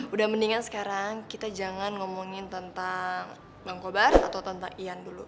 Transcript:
udah mendingan sekarang kita jangan ngomongin tentang bangkobar atau tentang ian dulu